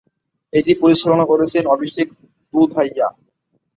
এটি পরিচালনা করেছেন অভিষেক দুধাইয়া।